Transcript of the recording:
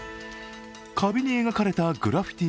壁に描かれたグラフィティ